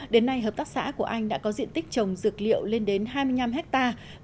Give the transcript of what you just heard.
đến nay hợp tác xã của anh đã có diện tích trồng dược liệu lên đến hai mươi năm hectare